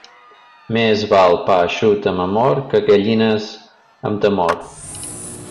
Més val pa eixut amb amor que gallines amb temor.